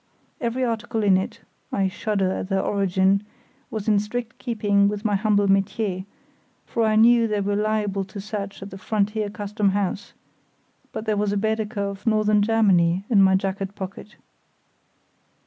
Every article in it—I shudder at their origin—was in strict keeping with my humble métier, for I knew they were liable to search at the frontier Custom house; but there was a Baedeker of Northern Germany in my jacket pocket.